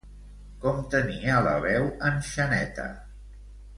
Com tenia la veu en Xaneta?